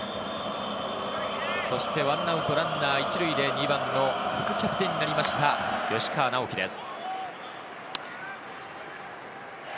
そして１アウトランナー１塁で２番の副キャプテンになりました吉川尚輝です。